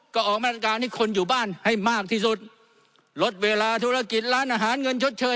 ก็ออกมาตรการให้คนอยู่บ้านให้มากที่สุดลดเวลาธุรกิจร้านอาหารเงินชดเชย